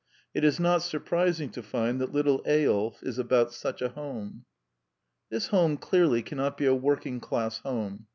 It is not surprising to find that Little Eyolf is about such a home. This home clearly cannot be a working class home.